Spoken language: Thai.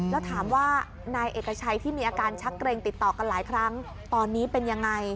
แล้วถามว่านายเอกชัยที่มีอาการชักเกรงติดต่อกันหลายครั้งตอนนี้เป็นยังไง